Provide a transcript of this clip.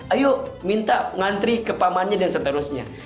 ayo minta ngantri ke pamannya dan seterusnya